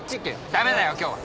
駄目だよ今日は。